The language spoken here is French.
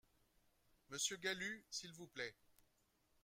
Monsieur Galut, s’il vous plaît